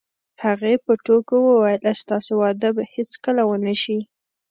هغې په ټوکو وویل: ستاسې واده به هیڅکله ونه شي.